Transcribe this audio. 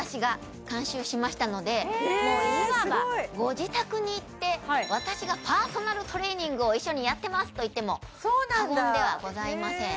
もういわばご自宅に行って私がパーソナルトレーニングを一緒にやってますと言っても過言ではございません